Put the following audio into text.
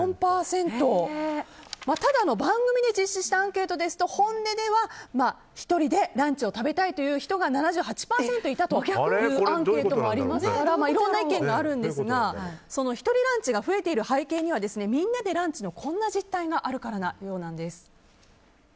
ただの番組で実施したアンケートですと本音では１人でランチを食べたいという人が７８％いたというアンケートもありますからいろんな意見があるんですが一人ランチが増えている背景にはみんなでランチのこんな実態があるからなようなんです。